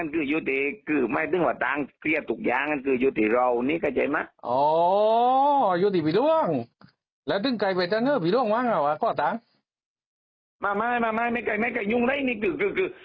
ก็ตามมาไม่มาไม่ไม่ใกล้ไม่ใกล้ยุ่งเลยนี่คือคือคือ